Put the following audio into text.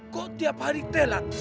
kok tiap hari telat